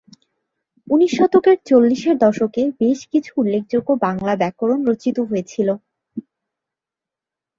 উনিশ শতকের চল্লিশের দশকে বেশ কিছু উল্লেখযোগ্য বাংলা ব্যাকরণ রচিত হয়েছিল।